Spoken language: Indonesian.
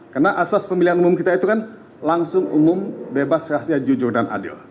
karena asas pemilihan umum kita itu kan langsung umum bebas rahasia jujur dan adil